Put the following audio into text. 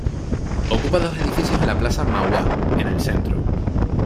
Ocupa dos edificios en la plaza Mauá, en el Centro.